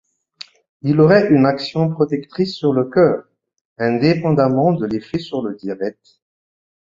Ils auraient une action protectrice sur le cœur, indépendamment de l'effet sur le diabète.